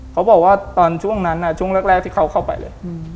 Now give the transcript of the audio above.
เขาบอกว่าตอนช่วงนั้นช่วงแรกที่เขาเข้าไปเลย